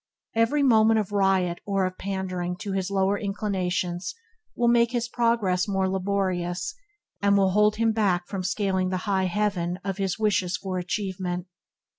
Every moment of riot or of pandering to his lower inclinations will make his progress more laborious, and will hold him back from scaling the high heaven of his wishes for achievement.